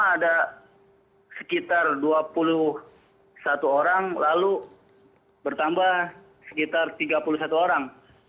ada sekitar dua puluh satu orang lalu bertambah sekitar tiga puluh satu orang